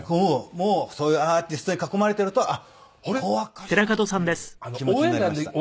もうそういうアーティストに囲まれているとあっ『紅白』歌手だっていう気持ちになりました。